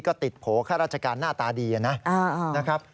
ก็ติดโผล่ข้าราชการหน้าตาดีนะครับ